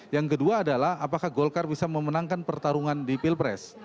yang kedua adalah apakah golkar bisa memenangkan pertarungan di pilpres